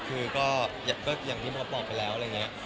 คือก็อย่างที่มดบอกไปแล้วอะไรอย่างนี้